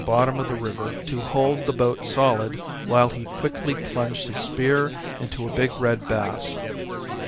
bottom of the river to hold the boat solid while he quickly plunged his spear into a big red bass.